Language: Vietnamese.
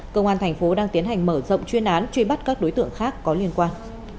công an thành phố đang tiến hành mở rộng chuyên án truy bắt các đối tượng khác có liên quan